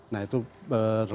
nah itu relatif